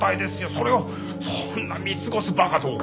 それをそんな見過ごす馬鹿どこにいますか？